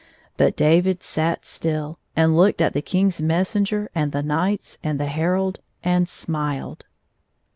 But David sat still, and looked at the King's messenger and the knights and the herald, and smOed.